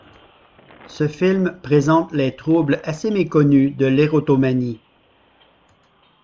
Ce film présente les troubles assez méconnus de l'érotomanie.